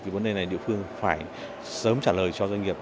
vấn đề này địa phương phải sớm trả lời cho doanh nghiệp